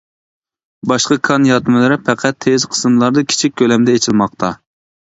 باشقا كان ياتمىلىرى پەقەت تېيىز قىسىملاردا كىچىك كۆلەمدە ئېچىلماقتا.